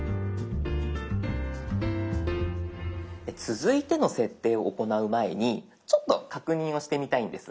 続いての設定を行う前にちょっと確認をしてみたいんです。